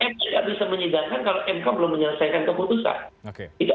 mk tidak bisa menyidangkan kalau mk belum menyelesaikan keputusan